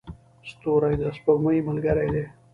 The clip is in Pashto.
ستوري د سپوږمۍ ملګري دي.